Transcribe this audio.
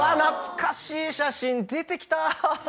懐かしい写真出てきた